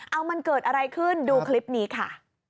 เอามันเกิดอะไรขึ้นดูคลิปนี้ค่ะ